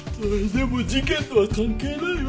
でも事件とは関係ないよね。